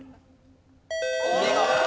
お見事！